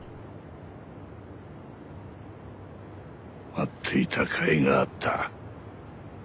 待っていたかいがあった。